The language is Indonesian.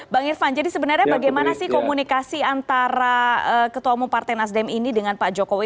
bang irvan jadi sebenarnya bagaimana sih komunikasi antara ketua umum partai nasdem ini dengan pak jokowi